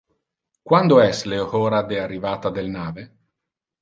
Quando es le hora de arrivata del nave?